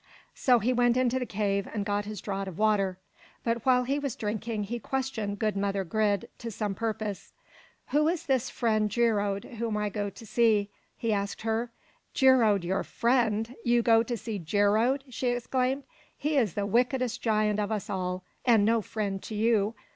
So he went into the cave and got his draught of water. But while he was drinking, he questioned good mother Grid to some purpose. "Who is this friend Geirröd whom I go to see?" he asked her. "Geirröd your friend! You go to see Geirröd!" she exclaimed. "He is the wickedest giant of us all, and no friend to you.